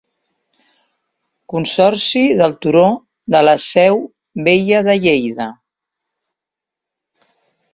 Consorci del Turó de la Seu Vella de Lleida.